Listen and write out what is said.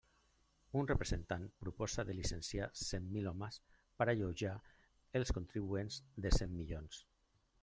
Un representant proposa de llicenciar cent mil homes per alleujar els contribuents de cent milions.